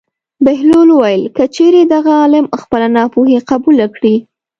بهلول وویل: که چېرې دغه عالم خپله ناپوهي قبوله کړي.